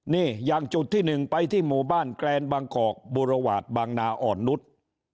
นี่อย่างจุดที่๑ไปที่หมู่บ้านแกรนบางกอกบุรวาสบางนาอ่อนนุษย์